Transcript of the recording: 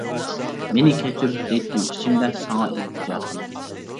«مېنى كەچۈر. » دەيتتىم ئىچىمدە ساڭا ئىلتىجا قىلىپ.